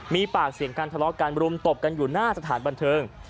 มีปากเสียงกันทะเลาะกันรุมตบกันอยู่หน้าสถานบันเทิง